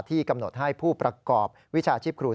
กำหนดให้ผู้ประกอบวิชาชีพครู